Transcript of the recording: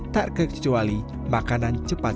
tak kecuali makanan cepat